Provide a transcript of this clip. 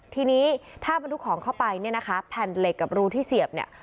ทีนี้ถ้าบรรทุกของเข้าไปเนี่ยนะคะแผ่นเหล็กกับรูที่เสียบเนี่ย